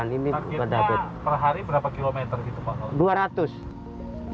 targetnya per hari berapa kilometer gitu pak